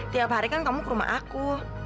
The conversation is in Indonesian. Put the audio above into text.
tiap hari kan kamu ke rumah aku